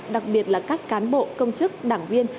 đặc biệt là các cán bộ công chức đảng viên